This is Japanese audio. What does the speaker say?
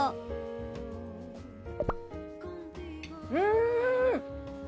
うん！